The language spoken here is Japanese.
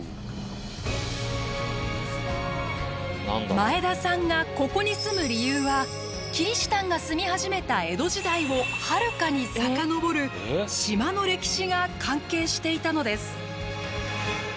前田さんがここに住む理由はキリシタンが住み始めた江戸時代をはるかに遡る島の歴史が関係していたのです。